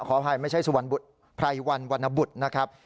ขออภัยไม่ใช่สวรรค์บุตรไพรวัณวัณบุตรนะครับ